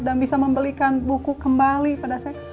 dan bisa membelikan buku kembali pada saya